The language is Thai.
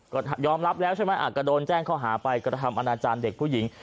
ก็ยอมรับแล้วใช่ไหมก็โดนแจ้งข้อหาไปกระทำอนาจารย์เด็กผู้หญิง